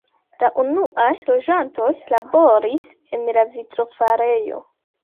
La unuaj loĝantoj laboris en la vitrofarejo.